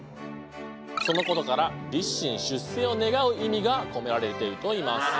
そのことから立身出世を願う意味が込められてるといいます。